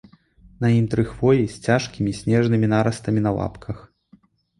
На ім тры хвоі з цяжкімі снежнымі нарастамі на лапках.